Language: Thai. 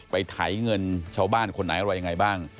ไถเงินชาวบ้านคนไหนอะไรยังไงบ้าง